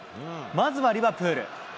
まずはリバプール。